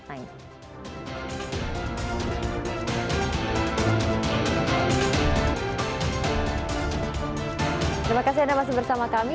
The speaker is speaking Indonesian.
terima kasih anda masih bersama kami